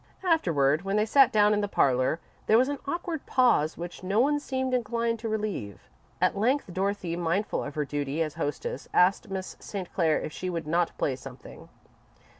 Afterward, when they sat down in the parlour, there was an awkward pause which no one seemed inclined to relieve. At length Dorothy, mindful of her duty as hostess, asked Miss St. Clair if she would not play something.